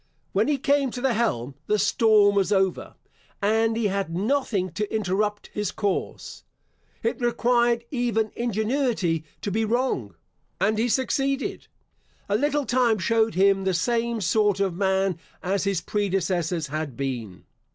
When he came to the helm, the storm was over, and he had nothing to interrupt his course. It required even ingenuity to be wrong, and he succeeded. A little time showed him the same sort of man as his predecessors had been.